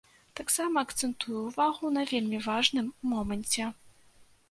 Таксама акцэнтую ўвагу на вельмі важным моманце.